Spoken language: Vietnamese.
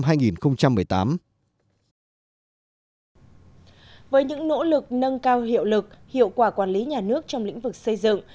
với những nỗ lực nâng cao hiệu lực hiệu quả quản lý nhà nước trong lĩnh vực xây dựng